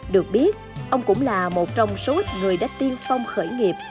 được biết ông cũng là một trong số ít người đã tiên phong khởi nghiệp